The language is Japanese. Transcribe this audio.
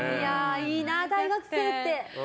いいな、大学生って。